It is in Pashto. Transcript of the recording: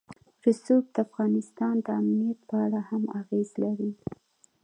رسوب د افغانستان د امنیت په اړه هم اغېز لري.